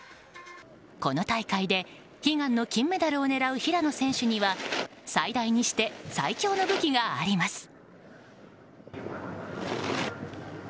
この大会で悲願の金メダルを狙う平野選手には最大にして最強の武器があります。